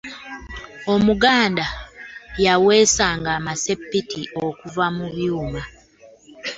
omuganda yawesanga amasepiki okuuva mu byuuma